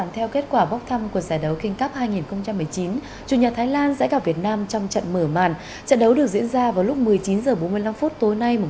tại giải đấu lần này